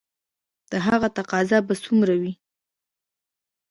د هغه تقاضا به څومره وي؟